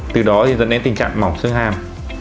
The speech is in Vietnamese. từ đó thì dẫn đến tình trạng mỏng xương hàm